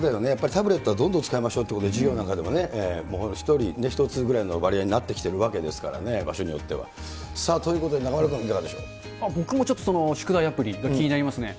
タブレットはどんどん使いましょうということで、授業なんかでも１人１つぐらいの割合になってきてるわけですからね、場所によっては。ということで、中丸君、いかがで僕もちょっと宿題アプリが気になりますね。